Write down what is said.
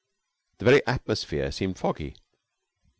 The very atmosphere seemed foggy.